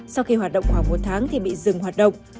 sau khi hoạt động khoảng một tháng thì bị dừng hoạt động